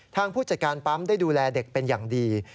ผู้จัดการปั๊มได้ดูแลเด็กเป็นอย่างดี